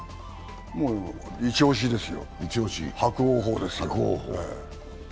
イチ押しですよ、伯桜鵬です